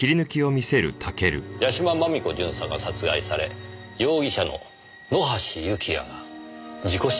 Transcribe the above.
屋島真美子巡査が殺害され容疑者の野橋幸也が事故死しました。